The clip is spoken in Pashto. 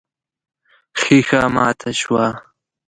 ښيښه ماته شوه.